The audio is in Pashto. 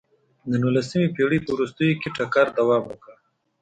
د نولسمې پېړۍ په وروستیو کې ټکر دوام وکړ.